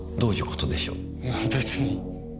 いや別に。